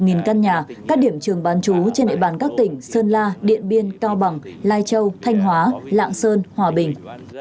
nghìn căn nhà các điểm trường bán chú trên nệ bàn các tỉnh sơn la điện biên cao bằng lai châu thanh hóa lạng sơn hòa bình